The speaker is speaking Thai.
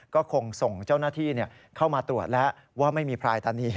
ก็คงส่งเจ้าหน้าที่เข้ามาตรวจแล้วว่าไม่มีพรายตานี